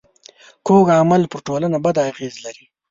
کوږ عمل پر ټولنه بد اغېز لري